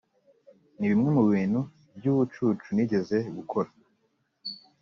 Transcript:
] nibimwe mubintu byubucucu nigeze gukora.